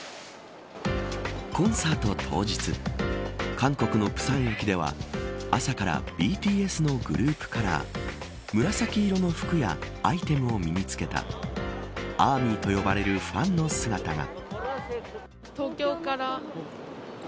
コンサート当日韓国の釜山駅では朝からＢＴＳのグループカラー紫色の服やアイテムを身につけたアーミーと呼ばれるファンの姿が。